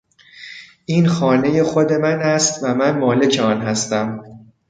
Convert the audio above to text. این خانهی خود من است و من مالک آن هستم.